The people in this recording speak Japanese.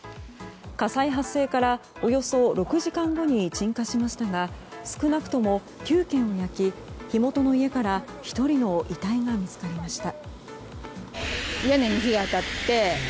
火災発生からおよそ６時間後に鎮火しましたが少なくとも９軒を焼き火元の家から１人の遺体が見つかりました。